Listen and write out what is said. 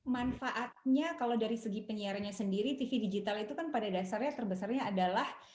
manfaatnya kalau dari segi penyiarannya sendiri tv digital itu kan pada dasarnya terbesarnya adalah